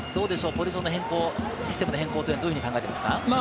ポジションの変更、システムの変更は考えていますか？